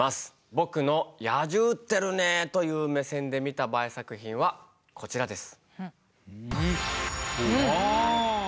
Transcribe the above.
僕の「野獣ってるねー！」という目線で見たＢＡＥ作品はこちらです。